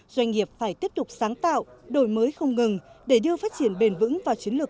doanh nghiệp phải tiếp tục sáng tạo đổi mới không ngừng để đưa phát triển bền vững vào chiến lược